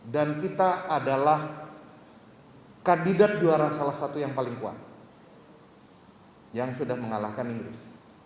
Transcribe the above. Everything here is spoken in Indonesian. dan kita adalah kandidat juara salah satu yang paling kuat yang sudah mengalahkan inggris